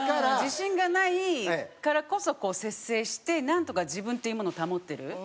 自信がないからこそこう節制してなんとか自分っていうものを保ってる。